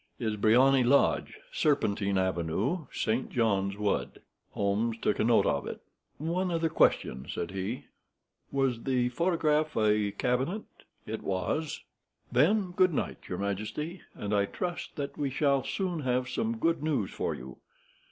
"Is Briony Lodge, Serpentine Avenue, St. John's Wood." Holmes took a note of it. "One other question," said he, thoughtfully. "Was the photograph a cabinet?" "It was." "Then, good night, your majesty, and I trust that we shall soon have some good news for you.